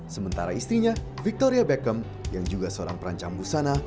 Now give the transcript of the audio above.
sementara istrinya victoria beckham yang juga seorang perancang busana